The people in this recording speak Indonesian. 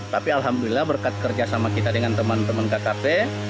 tapi alhamdulillah berkat kerjasama kita dengan teman teman kkp